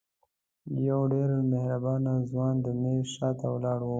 یو ډېر مهربانه ځوان د میز شاته ولاړ و.